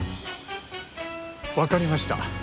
分かりました。